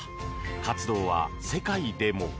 活動は世界でも。